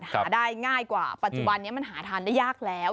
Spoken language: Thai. หาได้ง่ายกว่าปัจจุบันนี้มันหาทานได้ยากแล้ว